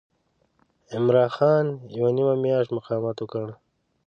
عمرا خان یوه نیمه میاشت مقاومت وکړ.